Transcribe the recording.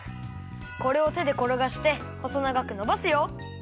これをてでころがしてほそながくのばすよ。